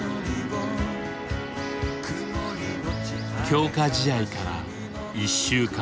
強化試合から１週間後。